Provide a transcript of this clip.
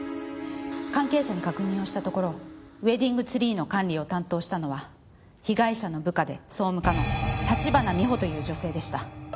関係者に確認をしたところウェディングツリーの管理を担当したのは被害者の部下で総務課の立花美穂という女性でした。